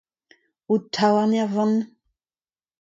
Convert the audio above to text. Ho taouarn er vann !